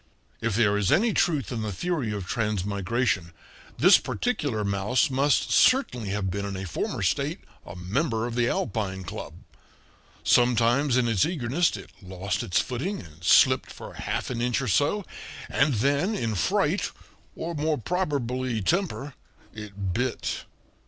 If there is any truth in the theory of transmigration, this particular mouse must certainly have been in a former state a member of the Alpine Club. Sometimes in its eagerness it lost its footing and slipped for half an inch or so; and then, in fright, or more probably temper, it bit.